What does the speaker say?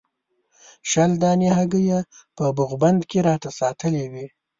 شل دانې هګۍ یې په بوغ بند کې راته ساتلې وې.